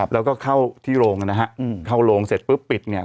แล้วก็เข้าที่โรงนะฮะเข้าโรงเสร็จปุ๊บปิดเนี่ย